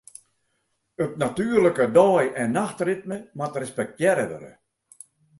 It natuerlike dei- en nachtritme moat respektearre wurde.